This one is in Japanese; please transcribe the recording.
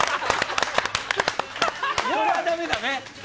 それはダメだね。